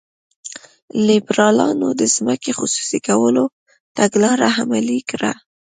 لیبرالانو د ځمکې خصوصي کولو تګلاره عملي کړه.